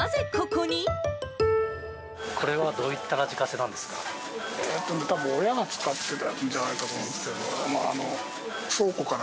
これはどういったラジカセなんですか？